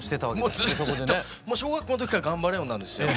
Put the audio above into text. もうずっともう小学校の時からがんばレオンなんですよ。